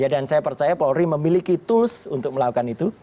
dan saya percaya polri memiliki tools untuk melakukan itu